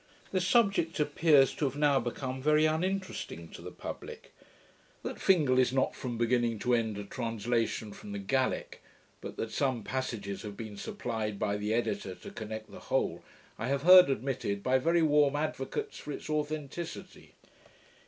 The subject appears to have now become very uninteresting to the publick. That Fingal is not from beginning to end a translation from the Gallick, but that some passages have been supplied by the editor to connect the whole, I have heard admitted by very warm advocates for its authenticity.